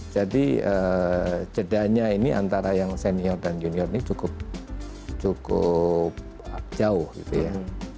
jadi jedanya ini antara yang senior dan junior ini cukup cukup jauh gitu ya